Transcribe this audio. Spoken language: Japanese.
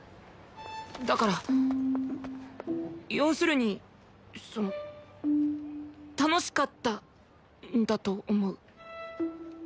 だから要するにその楽しかったんだと思う。